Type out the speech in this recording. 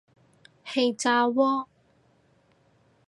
氣炸鍋